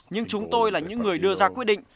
nhưng chúng tôi là những người đưa ra quyết định